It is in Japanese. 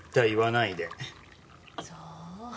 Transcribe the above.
そう。